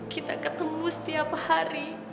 kita ketemu setiap hari